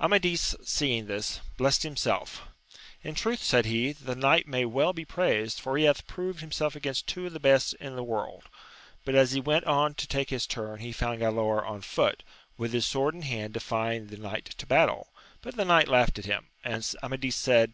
Amadis seeing this, blessed himself : In truth, said he, the knight may well be praised, for he hath proved himself against two of the best in the world ; but as he went on to take his turn he found Galaor on foot, with his sword in hand defying the knight to battle, but the knight laughed at him 3 and Amadis said*.